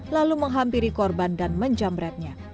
lalu menghampiri korban dan menjamretnya